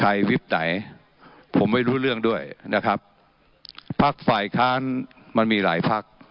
วิบไหนผมไม่รู้เรื่องด้วยนะครับพักฝ่ายค้านมันมีหลายพัก